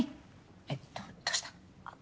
えっとどうした？あっ。